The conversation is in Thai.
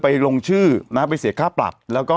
ไปลงชื่อไปเสียภาพปรัป